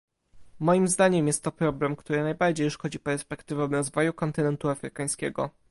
Moim zdaniem jest to problem, który najbardziej szkodzi perspektywom rozwoju kontynentu afrykańskiego